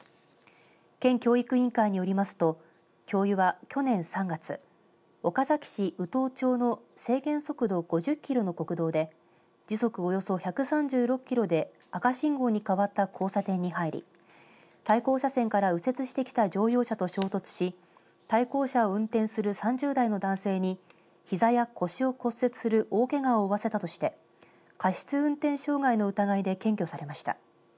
県教育委員会によりますと教諭は去年３月岡崎市宇頭町の制限速度５０キロの国道で時速およそ１３６キロで赤信号に変わった交差点に入り対向車線から右折してきた乗用車と衝突し対向車を運転する３０代の男性にひざや腰を骨折する大けがを負わせたととして過失運転傷害の疑いで検挙されました。